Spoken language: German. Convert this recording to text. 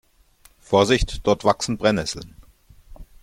Vorsicht, dort wachsen Brennnesseln.